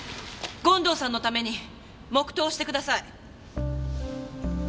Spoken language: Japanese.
権藤さんのために黙祷をしてください。